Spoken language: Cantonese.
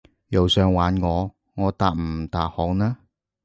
又想玩我？我答唔答好呢？